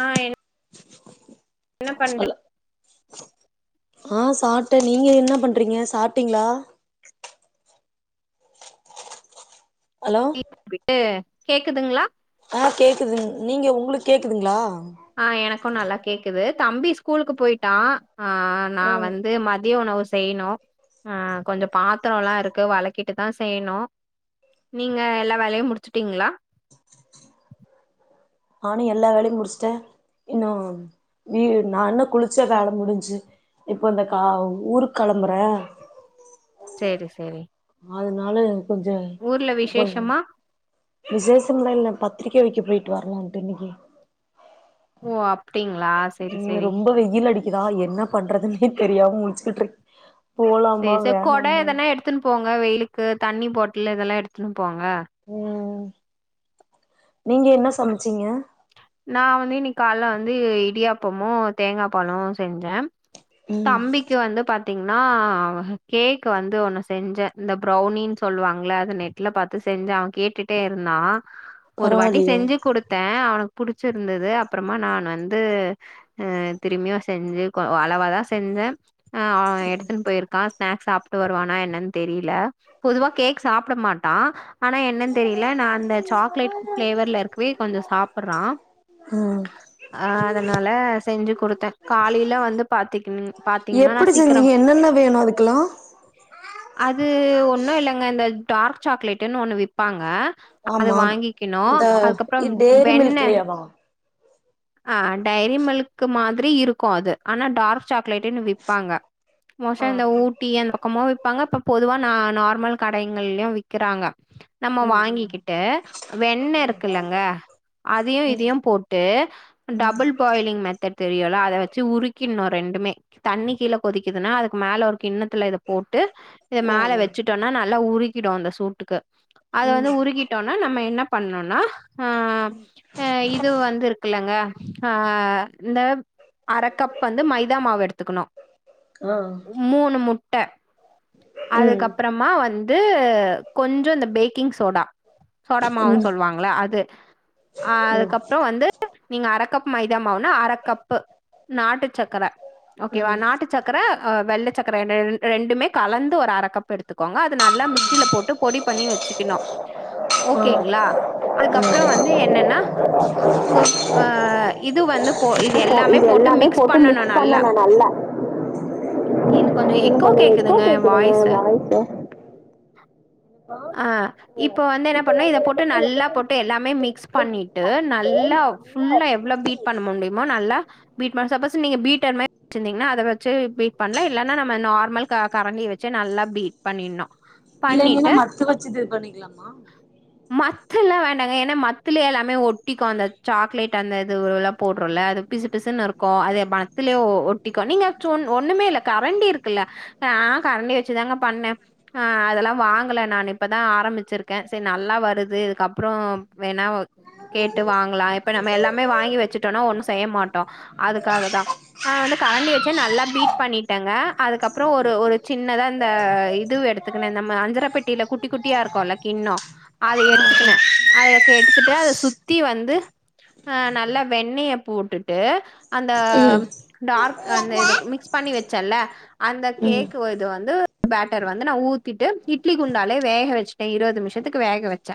ஆ என் என்ன பண்ற ஹலோ ஆ சாட்டே நீங்க என்ன பண்றீங்க சாப்ட்டீங்களா ஹலோ [unintelligible] கேக்குதுங்களா ஆ கேக்குதுங் நீங்க உங்களுக்கு கேக்குதுங்களா ஆ எனக் க்கு நல்லா கேக்குது தம்பி ஸ்கூலுக்கு போயிட்டா ஆ நா ஆ வந்து மதிய உணவு செய்யணு ஆ கொஞ்சோ பாத்தரோல்லா இருக்கு வளக்கிட்டுதா செய்யணு நீங்க எல்லா வேலையு முடிச்சிட்டீங்களா நானு எல்லா வேலையு முடிச்சிட்டே இன்னு நீ நா இன்னு குளிச்சா வேலை முடிஞ்சு இப்ப இந்த கா ஊருக்கு கெளம்புறே சேரி சேரி அதனால கொஞ்ச ஊர்ல கொஞ்ச விசேஷமா விசேஷம்லா இல்ல பத்திரிக்கை வைக்க போயிட்டு வரலாம்ட்டு இன்னிக்கு ஓ அப் ம் ரொம்ப வெயில் அடிக்குதா என்ன பண்றதுன்னே தெரியாம முழிச்சுக்கிட்ருக் தேச கொடை எதானா எடுத்துன்னு போங் வெயிலுக்கு தண்ணி பாட் இல்ல இதெல்லா எடுத்துன்னு போங்க ம் நீங்க என்ன சமைச்சீங்க நான் வந்து இன்னைக்கு காலைல வந்து இடியாப்பமும் தேங்கா பாலும் செஞ்சேன் ம் தம்பிக்கு வந்து பாத் தீங்கன்னா கேக் வந்து ஒன்னு செஞ்சேன் இந்த ப்ரௌனின்னு சொல்லுவாங்கள அத நெட்டில பார்த்து செஞ்சேன் அவன் கேட்டுட்டே இருந்தான் ஒரு வாட்டி பரவாயில்லையே செஞ்சு குடுத்தேன் அவனுக் புடிச்சிருந்தது அப்புறமா நான் வந்து திரும்பியும் செஞ்சு அளவா தான் செஞ்சேன் ஆ எடுத்துன்னு போயிருக்கான் ஸ்நாக்ஸ் சாப் ட்டு வருவானா என்னன்னு தெரியல பொதுவா கேக் சாப்புட மாட்டான் ஆனா என்னன்னு தெரியல நான் அந்த சாக்லேட் ப்ளேவர்ல இருக்கவே கொஞ்சம் சாப் புறான் ம் அதனால செஞ்சு கொடுத்தேன் காலையில வந்து பா பாத்தீங்கன்னா எப்டி நான் சீக்கிரம் செஞ்சீங்க என்னென்ன வேணு அதுக்கெல்லா அது ஒன்னும் இல்லங்க டார்க் சாக்லேட்ன்னு ஒன்னு விப்பாங்க அது வாங்கிக்கணும் அதுக்கப்புறம் டைரி மில்க்லேவா ஆ டைரி மில்க்கு மா திரி இருக்கும் அது ஆனா டார்க் சாக்லேட்ன்னு விப்பாங்க மோஸ்டா ஆ இந்த ஊட்டி அந்த பக்கம விப்பாங்க பொதுவா நார்மல் கடைங்கலையும் விக்கிறாங்க நம்ம ம் ம் வாங்கிக்கிட்டு வெண்ண இருக்குல்லங்க அதையும் இதையு ம் போட்டு ம் டபுள் பாயிலிங் மெத்தட் தெரியும்ல அதை வச்சு உருக்கி ன்னும் ரெண்டுமே தண்ணி கீழ கொதிக்குதுன்னா அதுக்கு மேல ஒரு கிண்ணத்துல இதை போட்டு இத மேல ம் வச்சுட்டோம்னா நல்லா உருக் கிடும் அந்த சூட்டுக்கு அதை ம் வந்து உருக்கிட்டோம்னா நம்ம என்ன பண்ணும்னா ஆ அ இது வந்து இருக்குல்லங்க ஆ இந்த அரைக்கப் வந்து மைதா மாவு எடுத்துக்கணும் ஆ மூணு முட் ட ம் ம் அதுக்கப்புறமா வந்து கொஞ்சம் இந்த பேக்கிங் சோடா சோடா மாவுன்னு ம் சொல்லுவாங்கள அது அ அதுக்கப்புறம் வந்து நீங்க அரைக்கப் மைதா மாவுனா அரைக்கப்பு நாட்டு சக்கரை ஓகேவா ம் நாட்டு சக்கர வெள்ள சக்கர நா ரெண்டுமே கலந்து ஒரு அரக்கப் எடுத் எத்துக்கோங்க அது நல்லா மிக்சியில போட்டு பொடி பண்ணி வச்சிக்கணு ஆ ஓகேங்களா அதுக்கப்புறோ வந்து என் ன்னன்னா உங்க ஆ இது வந்து போ இது எல்லாமே போட்டு மிக்ஸ் பண்ணனு நல்லா எனக்கு கொஞ்சோ எக்கோ கேக்குதுங்க வாய்ஸ் ஆ இப்போ வந்து என்ன பண்ணு இத போட்டு நல்லா போட்டு எல்லாமே மிக்ஸ் பண்ணிட்டு நல்லா ஃபுல்லா எவ்ளோ பீட் பண்ண முடியுமோ நல்லா பீட் பண் சப்போஸ் நீங்க பீட்டர் மே வச்சிருந்தீங்கன்னா அத வச்சி பீட் பண்ணல இல்லன்னா நம்ம நார்மல் க கரண்டி வச்சி நல்லா பீட் பண்ணினு இல்ல நீனா மத்து வச் ச்சிது பண்ணிக்கலாமா மத்தல்லா வேண்டாங்க ஏன்னா மத்திலியே எல்லாமே ஒட்டிக்கு அந்த சாக்லேட் அந்த இதுவுருவெல்லா போடுறோல அது பிசு பிசுன்னு இருக்கு அது மத்தலியே ஒட்டிக்கு நீங்க சொ ஒன்னுமே இல்ல கரண்டி இருக்குல்ல நா கரண்டி வச்சிதாங்க பண்ணே ஆ அதெல்லா வாங்கல நா இப்பதா ஆரம்பிச்சிருக்கே சே நல்லா வருது இதுக்கப்புறோ வேணா கேட்டு வாங்கலா இப்ப நம்ம எல்லாமே வாங்கி வச்சுட்டோன்னா ஒன்னு செய்ய மாட்டோ அதுக்காகதா நா வந்து கரண்டி வச்சி நல்லா பீட் பண்ணிட்டேங்க அதுக்கப்புறோ ஒரு ஒரு சின்னதா இந்த இது எடுத்துக்கினே நம்ம அஞ்சர பெட்டியில குட் ட்டி குட்டியா இருக்குல்ல கிண்ணோ அத எடுத்துக்கினே அதக எடுத்துட்டு அத சுத்தி வந்து நல்ல வெண்ணைய போட்டுட்டு அந்த ம் டார்க் அந்த மிக்ஸ் பண்ணி வச்சேல்ல அந்த ம் கேக் இது வந்து பேட்டர் வந்து நா ஊத்திட்டு இட்லி குண்டாலே வேக வச்சிட்டே இருவது நிமிஷத்துக்கு வேக வச்சே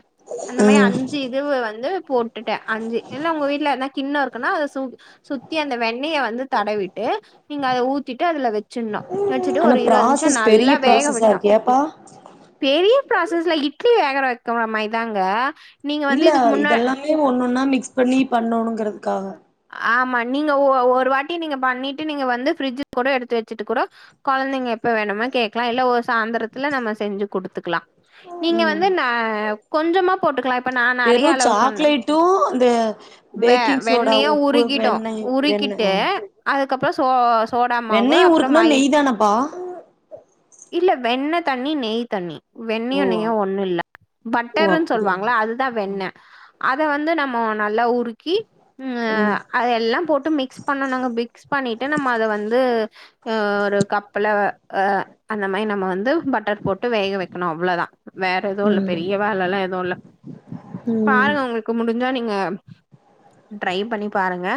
அந்த மே ம் அஞ்சி இது வந்து போட்டுட்டே அஞ்சி இல்ல உங்க வீட்ல எதுனா கிண்ணோ இருக்குன்னா அத சுத்தி அந்த வெண்ணைய வந்து தடவிட்டு நீங்க அத ஊத்திட்டு அதுல வச்சினு டச்சிட்டு ஆனா ஒரு இருவது நிமிஷோ ப்ராசஸ் பெரிய நல்லா ப்ராசஸா வேகவினு இருக்கு ஏப்பா பெரிய ப்ராசஸ்ல இட்லி வேகர வைக்கிற மாரிதாங்க நீங்க வந்து இல்ல இதுக்கு முன்னா இதெல்லாமே ஒன்னொன்னா மிக்ஸ் பண்ணி பண்ணுங்கறதுகாக்க ஆமா நீங்க ஒ ஒரு வாட்டி நீங்க பண்ணிட்டு நீங்க வந்து ஃப்ரிட்ஜு கூட எடுத்து வச்சுட்டு கூடோ கொழந்தைங்க எப்ப வேணுமோ கேக்கலா இல்ல ஒ சாயந்தரத்துல நம்ம செஞ்சி குடுத்துக்கலா நீங்க வந்து ந கொஞ்சமா போட்டுக்கலா வெறு சாக்லேட்டு அந்த பேக்கிங் சோ ண்ணியு உருக்கிடு உருக்கிட்டு அதுக்கப் ப் சோஸ் சோட மாவு வெண்ணெய அப்புறோ ஊருக்குனா மைய் நெய் தானப்பா இல்ல வெண்ணத் தண்ணி நெய் தண்ணி வெண்ணையு ஓ நெய்யு ஒன்னு இல்ல ஓ பட்டருன்னு அப்டியா சொல்லுவாங்களா அதுதா வெண்ண அத வந்து நம்மோ நல்லா உருக்கி ம் அது எல்லாம் போட்டு மிக்ஸ் பண்ணனுங்க மிக்ஸ் பண்ணிட்டு நம்ம அத வந்து ஆ ஒரு கப்புல அ அந்த மாரி நம்ம வந்து பட்டர் போட்டு வேக வைக்கணு அவ்ளோதா வேற எதுவு இல்ல ம் பெரிய வேலால்லா எதுவு இல்ல ம் பாருங்க உங்களுக்கு முடிஞ்சா ங்க ட்ரை பண்ணி பாருங்க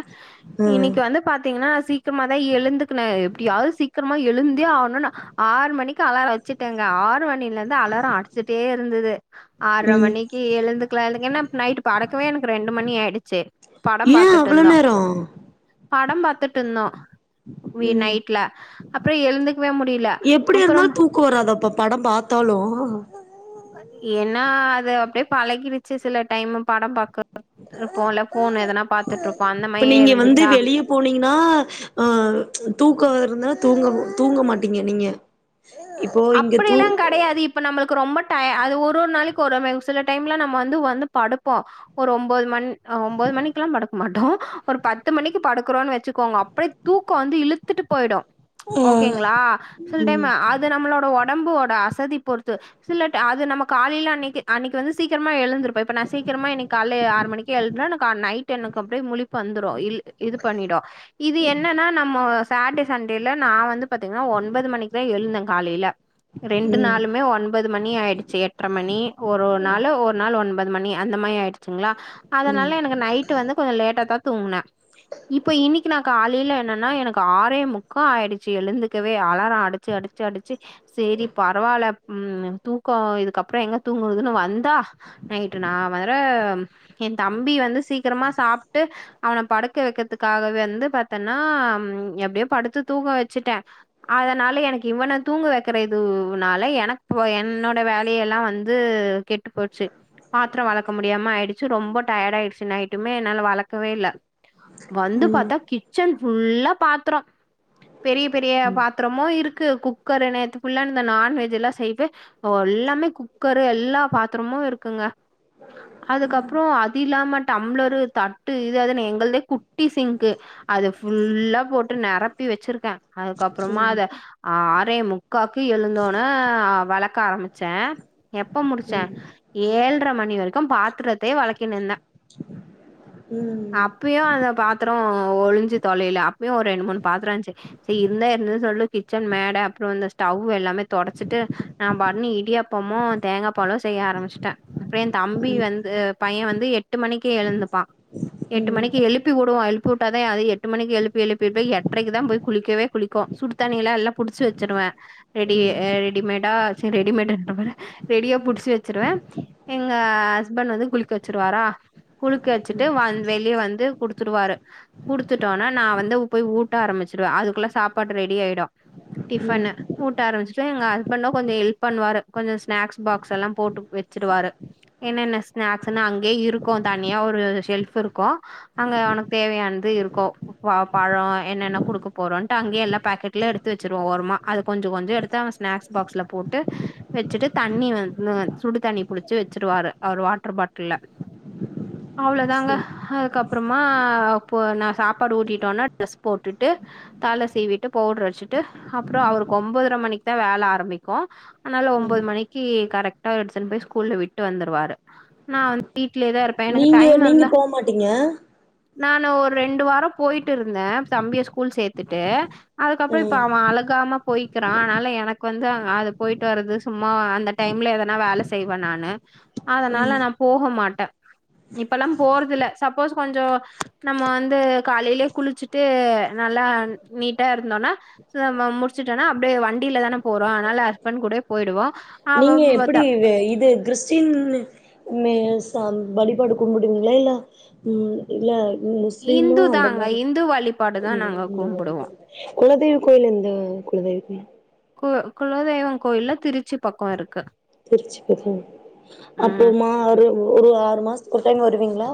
ம் இன்னிக்கு வந்து பாத்தீங்கன்னா சீக்கிரமாதா எழுந்துக்கனே எப்பிடியாவது சீக்கிரமா எழுந்தே ஆகணு ஆறு மணிக்கு அலாரோ வச்சிட்டேங்க ஆறு மணிலருந்து அலாரோ அடிச்சிட்டே இருந்தது ம் ஆறரமணிக்கு எழுந்து எனக்கென்னா நைட்டு படுக்கவே எனக்கு ரெண்டு மணி ஆயிடுச்சு படம் ஏன் பாத்துட்டு அவ்ளோ இருந்தோ நேரம் படம் பாத்துட்டு இருந்தோம் ம் முடில எப்படி அப்றம் இருந்தாலும் தூக்கும் வராத அப்ப படம் பாத்தாலும் ஏன்னா அது அப்படியே பழகிருச்சு சில டைம் படம் பாக்க போல இப்ப நீங்க வந்து வெளிய போனீங்கன்னா அ தூக்கம் வருந்துனா தூங்க தூங்க மாட்டீங்க நீங்க இப்போ இங்க அப்படி தூ எல்லாம் கடையாது இப்ப நம்மளுக்கு ரொம்ப அது ஒரு ஒரு நாளைக்கு ஒரு சில டைம்லாம் நம்ம வந்து வந்து படுப்போம் ஒரு ஒம்பது மணி ஒம்பது மணிக்கு எல்லாம் படுக்க மாட்டோம் ஒரு பத்து மணிக்கு படுக்கறோம்னு வச்சுக்கோங்க அப்படியே தூக்கம் வந்து இழுத்துட்டு போய்டும் ஓகேங்கிளா ஃபுல் டைம்மு அ உடம்போட அசதி பொறுத்து சில அது நம்ம காலேல அன்னைக்கு வந்து சீக்கரமா எழுந்துருப்போம் இப்போ நான் சீக்கிரமா இன்னைக்கு காலேல ஆறு மணிக்கு எழுறேன்னா நைட்டு எனக் அப்டியே முளிப்பு வந்துரும் இது பண்ணிடும் இது என்னன்னா நம்ம சாட்டர்டே சண்டேல நான் வந்து பாத்தீங்கன்னா ஒன்பது மணிக்குதான் எழுந்தேன் காலேல ரெண்டு நாளுமே ஒன்பது மணி ஆயிடுச்சு எட்டரைமணி ஒரு நாள் ஒரு நாள் ஒன்பது மணி அந்த மாரி ஆயிடுச்சுங்களா அதனால எனக்கு நைட் வந்து கொஞ்சம் லேட்டா தான் தூங்குனேன் இப்ப இன்னைக்கு நான் காலையில என்னன்னா எனக்கு ஆரே முக்கா ஆயிடுச்சு எழுந்துக்கவே அலாரம் அடிச்சு அடிச்சு அடிச் சு சேரி பரவாயில்ல ம் தூக்கம் இதுக்கப்புறோம் எங்க தூங்கறதுன்னு வந்தா நைட்டு நான் வேற என் தம்பி வந்து சீக்கிரமா சாப்ட்டு அவன படுக்க வைக்கிறதுக்காகவே வந்து பாத்தன்னா எப்படியோ படுத்து தூக்கம் வச்சுட்டேன் அதனால எனக்கு இவன தூங்க வைக்கற இதுனால எனக்கு என்னோட வேலையெல்லாம் வந்து கெட்டு போச்சு பாத்திரம் வெளக்க முடியாம ஆயிடுச்சு ரொம்ப டயர்டா ஆயிடுச்சு நைட்டுமே என்னால வெளக்கவேயில்ல வந்து பாத்தா கிச்சன் ஃபுல்லா பாத்தரம் பெரிய பெரிய பாத்திரமும் இருக் கு குக்கர் நேத்து ஃபுல்லா இந்த நான்வெஜ் எல்லாம் செய்து எல்லாமே குக்கரு எல்லா பாத்தரமும் இருக்குங்க அதுக்கப்புறோம் அது இல்லாம டம்ளர் தட்டு இது அது எங்களதே குட்டி சிங்க்கு அது ஃபுல்லா போட்டு நரப்பி வச்சிருக்கேன் அதுக்கப்புறமா அதை ஆ எட்டே முக்காக்கு எழுந்தோன்ன வெளக்க ஆரம்பிச்சேன் எ ப்ப முடிச்சேன் ஏழரை மணி வரைக் கும் பாத்தரத்தை வெளக்கினுந்தேன் அப்பயும் அந்த பாத்தரம் ஒ ஒழிஞ்சு தொலைல அப்பயு ஒரு ரெண்டு மூணு பாத்தரோ இருந்துச்சு செரி இருந்தா இருந்துது சொல்லி கிச்சன் மேட அப்பறோ இந்த ஸ்டவ் எல்லாமே தொடச்சிட்டு நா பாட்னு இடியாப்பமு தேங்காப் பாலு செய்ய ஆரம்பிச்சுட்டே அப்புறோ ஏன் தம்பி வந்து பைய வந்து எட்டு மணிக்கு எழுந்துப்பா எட்டு மணிக்கி எழுப்பி விடுவோ எழுப் பி விட்டாதா அது எட்டு மணிக்கி எழுப்பி எழுப்பி போய் எட்ரைக்குதா போய் குளிக்கவே குளிக்கு சுடு தண்ணியெல்லா எல்லா புடிச்சு வ ச்சிருவே ரெடி ஆ ரெடிமேடா சே ரெடிமேடுன்ற பாரு ரெடியா புடிச்சு வச்சிருவே எங்க ஹஸ்பண்ட் வந்து குளிக்க வச்சிருவாரா குளிக்க வச்சிட்டு் வந் வெளிய வந்து குடுத்துருவாரு குடுத்துட்டோன்னா நா வந்து போய் ஊட்ட ஆரம்பிச்சிருவே அதுக்குள்ள சாப்பாடு ரெடி ஆயிடு டிஃபனு ஊட்ட ஆரம்பிச்சு ட்டு எங்க ஹஸ்பண்டு கொஞ்ச ஹெல்ப் பண்ணுவாரு கொஞ்ச ஸ்நாக்ஸ் பாக்ஸ் எல்லா போட்டு வெச்சுருவாரு என்னென்ன ஸ்நாக்ஸ்னு அங்கயே இருக்கு தனியா ஒரு ஷெல்ஃப் இருக்கு அங்க அவனுக்கு தேவையானது இருக்கு ப பழோ என்னென்ன குடுக்க போறோன்ட்டு அங்கயே எல்லா பாக்கெட்ல எடுத்து வச் சிருவோ ஓரமா அத கொஞ்சோ கொஞ்சோ எடுத்து அவ ஸ்நாக்ஸ் பாக்ஸ்ல போட்டு வச்சுட்டு தண்ணி வந்து சுடுதண்ணி புடிச்சு வச்சுருவாரு அவரு வாட்டர் பாட்டில்ல அவ்ளோதாங்க அதுக்கப்புறமா போ நா சாப்பாடு ஊட்டிட்டோன்னா டிரஸ் போட்டுட்டு தல சீவிட்டு பவுட்ரு அடிச்சி ட்டு அப்றோ அவருக்கு ஒம்பதர மணிக்குதா வேல ஆரம்பிக்கு அதனால ஒம்பது மணிக்கி கரெக்டா எடுத்துனு போய் ஸ்கூல்ல விட்டு வந்துருவாரு நா வந்து வீ நீங்க நீங்க போமாட்டீங்க நானு ஒரு ரெண்டு வாரோ போய்ட்டுருந்தே தம்பிய ஸ்கூல் சேத்துட்டு அதுக்கப்புற இப்ப ம் அவ அழுகாம போய்க்கிறா அதனால எனக்கு வந்து அது போயிட்டு வறது சும்மா அந்த டைம்ல எதனா வேல செய்வே நானு அதனால நா போக மாட்டே இப்பல்லா போறது இல்ல சப்போஸ் கொஞ்ச நம்ம வந்து காலைலயே குளிச்சுட்டு நல்லா நீட்டா இருந்தோன்னா நம்ம முடிச்சிட்டோன்னா அப்டியே வண்டிலதான போறோ அதனால ஹஸ்பண்ட் கூடயே போயிடுவோ அவ நீங்க எப்பிடி இது இது கிறிஸ்டீனு மே சந் வழிபாடு கும்புடுவீங்களா இல்ல ம் இல்ல மு முஸ்லீமு இந்து அந்த தாங்க மாரி இந்து வழிபாடுதா நாங்க கும்புடுவோ குலதெய் கோயில் எந்த குலதெய்வ கோயில் கு குலதெய்வம் கோயில்லா திருச்சி பக்கோ இருக்கு திருச்சி பக்கோ அப்போ ம் மா ஒரு ஒரு ஆறு மாசத்துக்கு ஒரு டைம் வருவீங்களா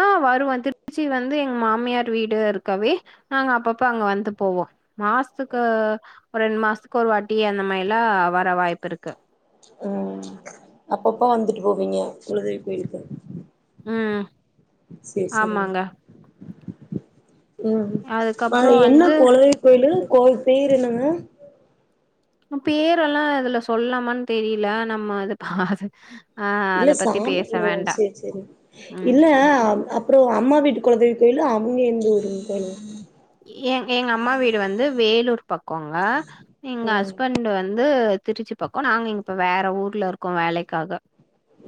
ஆ வருவோ திருச்சி வந்து எங்க மாமியார் வீடு இருக்கவே நாங்க அப்பப்ப அங்க வந்து போவோ மாசத்துக்கு ஒரு ரெண்டு மாசத்துக்கு ஒரு வாட்டி அந்த மாரில்லா வர வாய்ப்பிருக்கு ம் அப்பப்ப வந்துட்டு போவீங்க குலதெய்வ கோயிலுக்கு ம் சேரி சேரிங்க ஆமாங்க ம் அதுக்கப்றோ அது என்ன வந்து குலதெய்வ கோயிலு கோயி பேரு என்னங்க அ பேரெல்லா இதுல சொல்லாமான்னு தெரியல நம்ம அது பாது ஆ இல்ல அத பத்தி சாமி பேச ஓ வேண்டா சேரி சேரி ம் இல்ல அம் அப்றோ அம்மா வீட்டு குலதெய் வ கோயிலு அவுங்க எந்த ஊருங் கோயிலு எங் எங்க அம்மா வீடு வந்து வேலூர் பக்கோங்க எங்க ஆ ஹஸ்பண்ட்டு வந்து திருச்சி பக்கோ நாங்க இப்ப வேற ஊர்ல இருக்கோ வேலைக்காக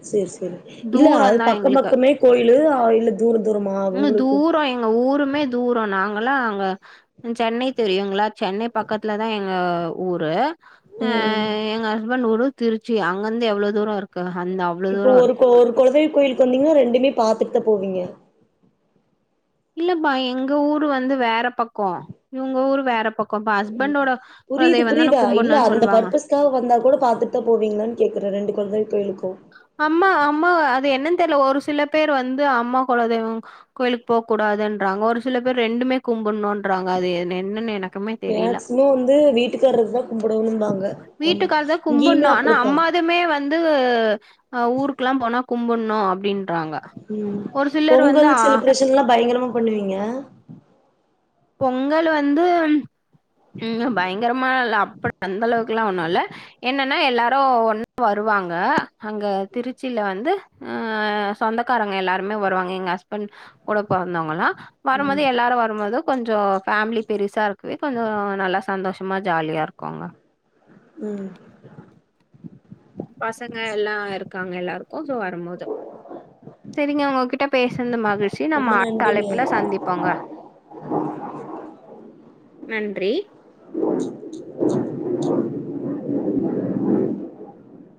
சரி சரி இல்ல அது தூரந்தா பக்கம் எங்களுக்கு பக்கமே கோயிலு இல்ல தூர தூரமா ம் உங்களுக்கு தூரோ எங்க ஊருமே தூரோ நாங்க அங்கல்ல அங்க சென்னை தெரியு சென்னை பக்கத்துல தா எங்க ஊரு அ ம் எங்க ஹஸ்பண்ட் ஊரு திருச்சி அங்கந்து எவ்ளோ தூரோ இருக்கு அந்த அவ்ளோ இப்போ தூரோ ஒரு இருக்கு ஒரு குல கோயிலுக்கு வந்தீங்கன்னா ரெண்டுமே பாத்துட்டுதா போவீங்க இல்லப்பா எங்க ஊரு வந்து வேற பக்கோ இவுங்க ஊரு வேற பக்கோ இப்ப ஹஸ்பண்டோட புரியுது குலதெய்வந்தான புரியுதா இல்ல கும்புட்ணுன் அந்த சொல்வாங்க பர்பஸ்க்காக வந்தா கூட பாத்துட்டு தா போவீங்களான்னு கேக்குறே ரெண்டு கொலதெய்வத்திற்கு கோயிலுக்கு அம்மா அம்மா அது என்னென்னு தெரியல ஒரு சில பேர் வந்து அம்மா கொலதெய்வம் கோயிலுக்கு போக கூடாதுன்றாங்க ஒரு சில பேர் ரெண்டுமே கும்பிடணும் என்றாங்க அது என்னென்னு எனக்கு மேக்சிமம் வந்து வீட்டுக்காரக்கு தா கும்பிடணும்பாங்க ஆமா வீட்டுக்காரதா கும்பிடனு இங்கேயுமே ஆனா அப்படித்தா அம்மாதுமே வந்து ஆ ஊருக்ல்லா போனா கும்டணு அப்டின்னு உம் பொங்கல் செலிப்ரேஷன் எல்லா பயங்கரமா பண்ணுவீங்க பொங்கல் வந்து உம் பயங்கரமால்லா இல்ல அப்டி அந்தளவுக்ல்லா ஒன்னு இல்ல என்னென்னா எல்லாரு ஒன்னா வருவாங்க அங்க திருச்சியில் வந்து சொந்தக்காரங்க எல்லாருமே வருவாங்க எங்க ஹஸ்பண்ட் கூட பொறந்தவங்கள்லா வரும்போது எல்லாரு வரும்போது கொஞ்சோ ஃபேமிலி பெருசா இருக்குவே கொஞ்சோ நல்லா சந்தோஷமா ஜாலியா இருக்கோங்க உம் பசங்க எல்லா இருக் காங்க எல்லாருக்கு சோ வரும்போது செரிங்க உங்ககிட்ட பேசன்து மறந்துடுச்சி நம்ம ரொம்ப அடுத்த நன்றிங்க அலைப்புல சந்திப்போங்க நன்றி [inaudible]